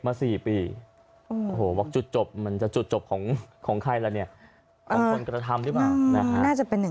มา๔ปีมันจุดจบมันที่จะจดจบของของขายละเนี่ยทำน่าจะเป็น